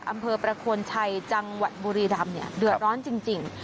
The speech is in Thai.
อำเภอประโคนชัยจังหวัดบุรีรำเนี่ยเดือดร้อนจริง